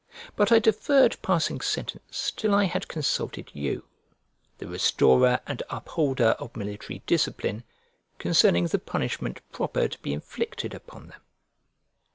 But I deferred passing sentence till I had consulted you, the restorer and upholder of military discipline, concerning the punishment proper to be inflicted upon them.